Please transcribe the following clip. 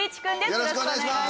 よろしくお願いします。